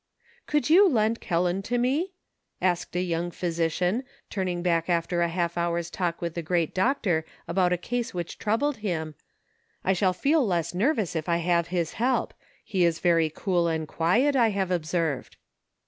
"Could you lend Kelland to me?" asked a young physician, turning back after a half hour's talk with the great doctor about a case which troubled him ;" I shall feel less nervous if I have his help ; he is very cool and quiet, I have ob served."